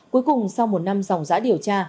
cuối cùng sau một năm dòng giã điều tra